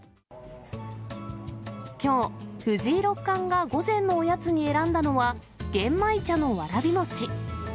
きょう、藤井六冠が午前のおやつに選んだのは、玄米茶のわらび餅。